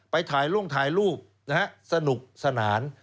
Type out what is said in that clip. ไปถ่ายร่วงถ่ายรูปสนุกสนาน